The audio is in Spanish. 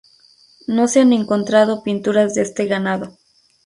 No se han encontrado pinturas de este ganado.